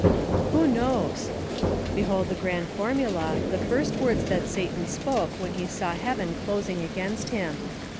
"Who knows?" Behold the grand formula, the first words that Satan spoke when he saw heaven closing against him.